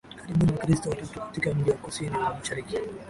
karibuni Wakristo watatu katika mji wa kusini wa mashariki